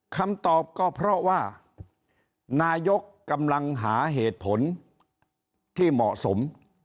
คำตอบก็เพราะว่านายกกำลังหาเหตุผลที่เหมาะสม